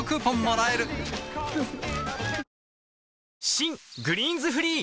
新「グリーンズフリー」